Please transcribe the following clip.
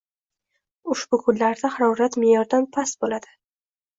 Ushbu kunlarda harorat me’yordan past bo‘ladi